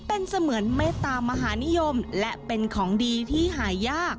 เป็นเสมือนเมตตามหานิยมและเป็นของดีที่หายาก